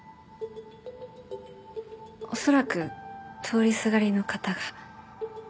恐らく通りすがりの方が。